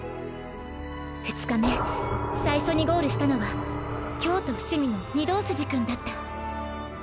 ２日目最初にゴールしたのは京都伏見の御堂筋くんだった。